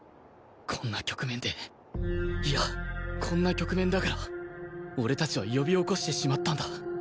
こんな局面でいやこんな局面だから俺たちは呼び起こしてしまったんだ